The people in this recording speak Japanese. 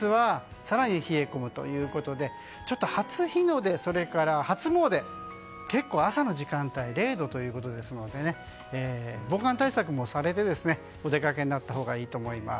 そして元日は更に冷え込むということでちょっと初日の出、それから初詣結構、朝の時間帯０度ということですので防寒対策もされてお出かけになったほうがいいと思います。